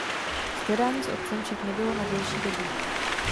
Shledání s otcem však nebylo na delší dobu.